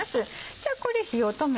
じゃあこれ火を止めて。